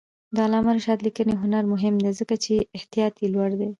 د علامه رشاد لیکنی هنر مهم دی ځکه چې احتیاط یې لوړ دی.